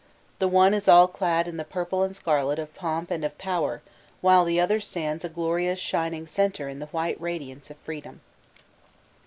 The one is all clad in the purple and scarlet of pomp and of power, while the other stands a glorious shining center in the white radiance of Freedom.